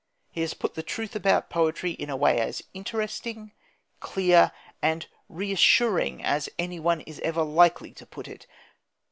He has put the truth about poetry in a way as interesting, clear, and reassuring as anyone is ever likely to put it.